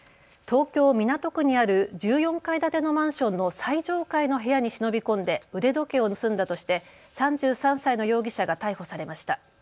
東京港区にある１４階建てのマンションの最上階の部屋に忍び込んで腕時計を盗んだとして３３歳の容疑者が逮捕されました。